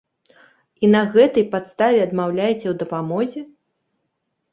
І на гэтай падставе адмаўляеце ў дапамозе?